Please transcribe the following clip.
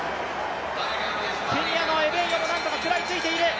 ケニアのエベンヨもなんとか食らいついている。